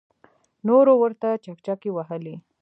نورو ورته چکچکې وهلې.